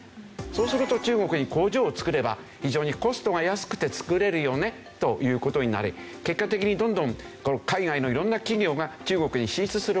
そうすると中国に工場を造れば非常にコストが安くて作れるよねという事になり結果的にどんどん海外の色んな企業が中国に進出するわけですよね。